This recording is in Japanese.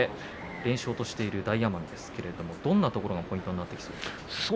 連勝としている大奄美ですがどんなところがポイントですか。